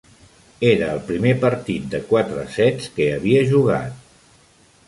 Era el primer partit de quatre sets que havia jugat.